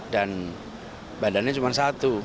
dan badannya cuma satu